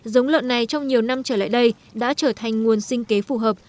giống lợn này trong nhiều năm trở lại đây đã trở thành nguồn sinh kế phù hợp